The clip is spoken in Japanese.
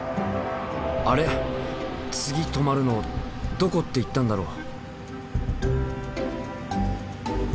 あれ次止まるのどこって言ったんだろう？